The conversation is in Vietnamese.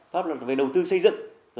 pháp luật về đầu tư xây dựng